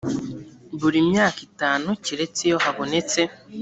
buri myaka itanu keretse iyo habonetse